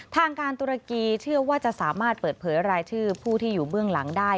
ทางการตุรกีเชื่อว่าจะสามารถเปิดเผยรายชื่อผู้ที่อยู่เบื้องหลังได้